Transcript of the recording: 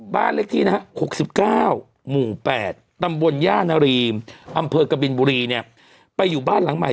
บ้านเลขที่นะฮะ๖๙หมู่๘ตำบลย่านารีมอำเภอกบินบุรีเนี่ยไปอยู่บ้านหลังใหม่